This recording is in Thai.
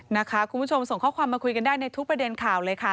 นะคะคุณผู้ชมส่งข้อความมาคุยกันได้ในทุกประเด็นข่าวเลยค่ะ